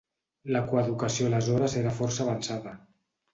La coeduació aleshores era força avançada.